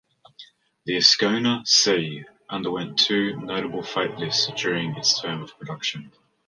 The Ascona C underwent two notable facelifts during its term of production.